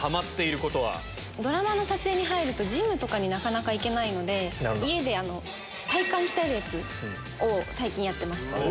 ドラマの撮影に入るとジムになかなか行けないので家で体幹鍛えるやつを最近やってます。